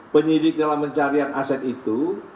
penyidik dalam pencarian aset itu